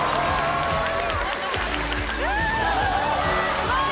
・すごい！